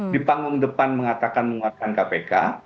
di panggung depan mengatakan menguatkan kpk